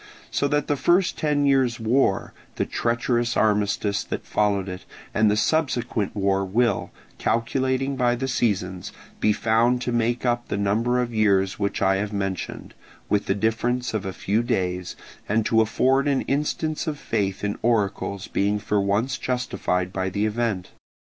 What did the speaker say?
So that the first ten years' war, the treacherous armistice that followed it, and the subsequent war will, calculating by the seasons, be found to make up the number of years which I have mentioned, with the difference of a few days, and to afford an instance of faith in oracles being for once justified by the event.